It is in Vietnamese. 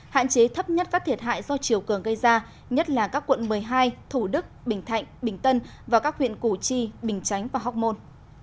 hạn chế thấp nhất các thiệt hại do chiều cường gây ra nhất là các quận một mươi hai thủ đức bình thạnh bình tân và các huyện củ chi bình chánh và hóc môn